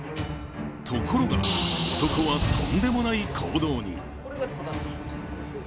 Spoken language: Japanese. ところが男はとんでもない行動に。